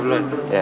masa apa dulu ya